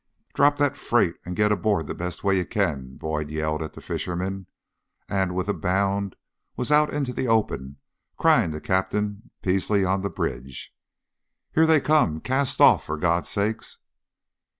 "Drop that freight, and get aboard the best way you can!" Boyd yelled at the fishermen, and with a bound was out into the open crying to Captain Peasley on the bridge: "Here they come! Cast off, for God's sake!"